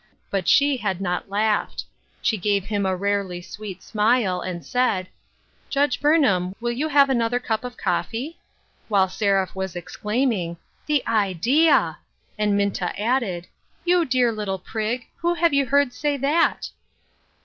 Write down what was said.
But she had not laughed. She gave him a rarely sweet smile, 30 LOGIC AND INTERROGATION POINTS. and said, " Judge Burnham, will you have another cup of coffee ?" while Seraph was exclaiming, "The idea !" and Minta added :" You cl^ar little prig ! who have you heard say that